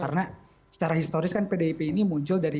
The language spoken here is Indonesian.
karena secara historis kan pdip ini muncul dari